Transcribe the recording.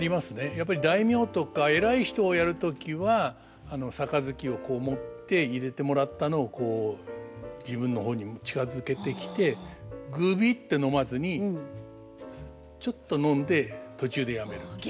やっぱり大名とか偉い人をやる時は杯をこう持って入れてもらったのをこう自分の方に近づけてきてぐびって飲まずにちょっと飲んで途中でやめるっていう。